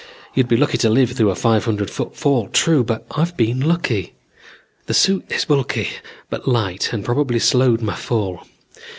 You'd be lucky to live through a five hundred foot fall, true, but I've been lucky. The suit is bulky but light and probably slowed my fall.